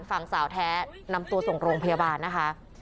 ฝั่งสาวแท้นำตัวส่งโรงพยาบาลนะคะ